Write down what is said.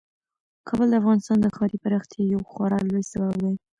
کابل د افغانستان د ښاري پراختیا یو خورا لوی سبب دی.